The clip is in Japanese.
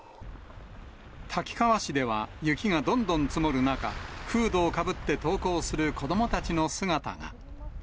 滝川市では雪がどんどん積もる中、フードをかぶって登校する子どもたちの姿が。